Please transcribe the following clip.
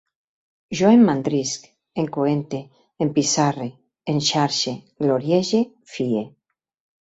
Jo emmandrisc, encoente, empissarre, enxarxe, gloriege, fie